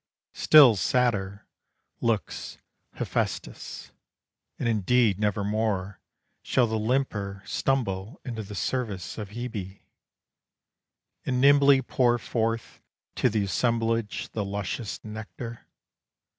Still sadder looks Hephaistos. And indeed nevermore shall the limper Stumble into the service of Hebe, And nimbly pour forth to the assemblage The luscious nectar.